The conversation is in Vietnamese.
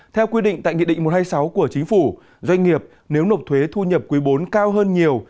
theo quy định tại nghị định một trăm hai mươi sáu của chính phủ doanh nghiệp nếu nộp thuế thu nhập quý bốn cao hơn nhiều